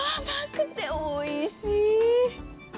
甘くておいしい！